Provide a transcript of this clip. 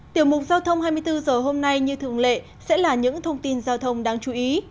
tiểu mục giao thông hai mươi bốn h hôm nay như thường lệ sẽ là những thông tin giao thông đáng chú ý